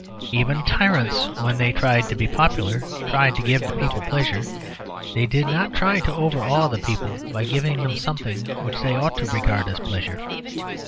Even tyrants when they tried to be popular, tried to give the people pleasure; they did not try to overawe the people by giving them something which they ought to regard as pleasure.